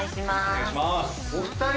お願いしまーす。